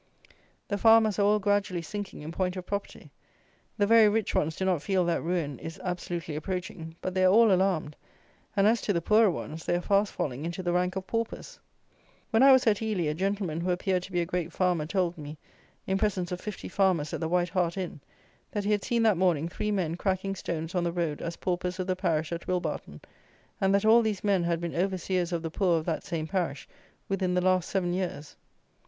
The farmers are all gradually sinking in point of property. The very rich ones do not feel that ruin is absolutely approaching; but they are all alarmed; and as to the poorer ones, they are fast falling into the rank of paupers. When I was at Ely a gentleman who appeared to be a great farmer told me, in presence of fifty farmers at the White Hart inn, that he had seen that morning three men cracking stones on the road as paupers of the parish of Wilbarton; and that all these men had been overseers of the poor of that same parish within the last seven years.